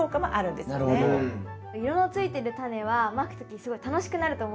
色のついてるタネはまく時すごい楽しくなると思うんですよね。